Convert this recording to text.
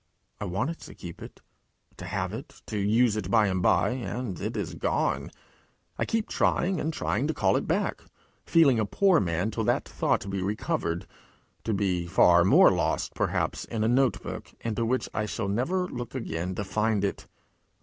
I wanted to keep it, to have it, to use it by and by, and it is gone! I keep trying and trying to call it back, feeling a poor man till that thought be recovered to be far more lost, perhaps, in a note book, into which I shall never look again to find it!